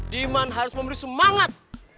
di mana harus memberi semangat